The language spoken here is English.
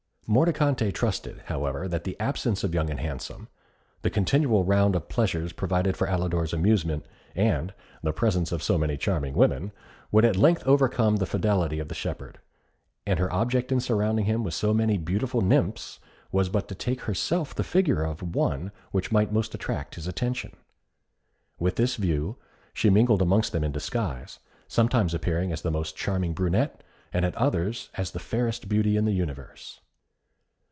Mordicante trusted, however, that the absence of Young and Handsome, the continual round of pleasures provided for Alidor's amusement, and the presence of so many charming women, would at length overcome the fidelity of the shepherd; and her object in surrounding him with so many beautiful nymphs, was but to take herself the figure of the one which might most attract his attention. With this view, she mingled amongst them in disguise, sometimes appearing as the most charming brunette, and at others as the fairest beauty in the universe.